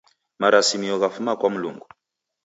Marasimio ghafuma kwa Mlungu.